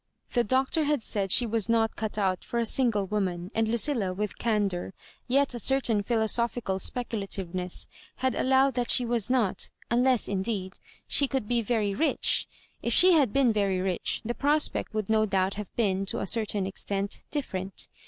The Doctor had said she was not cut out for a single woman ; and Lucilla, with candour, yet a certain philosophical speculativeness, had allowed that she was not — ^unless, indeed, she could be very rich. If she had been very rich, the prospect would no doubt have been, to a certain extent, different.